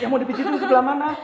ya mau dipijitin sebelah mana